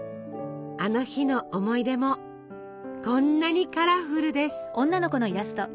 あの日の思い出もこんなにカラフルです。